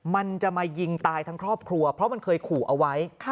มันจะมายิงตายทั้งครอบครัวเพราะมันเคยขู่เอาไว้